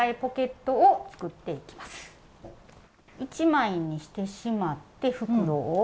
１枚にしてしまって袋を。